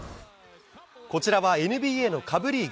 こちらはＮＢＡの下部リーグ。